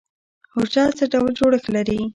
حجره څه ډول جوړښت لري؟